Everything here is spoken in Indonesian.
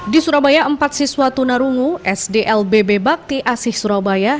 di surabaya empat siswa tunarungu sdlbb bakti asih surabaya